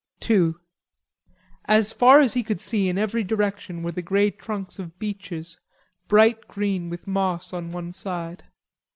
II As far as he could see in every direction were the grey trunks of beeches bright green with moss on one side.